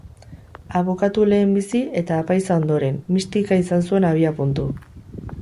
Abokatu lehenbizi, eta apaiza ondoren, mistika izan zuen abiapuntu.